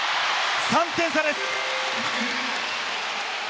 ３点差です。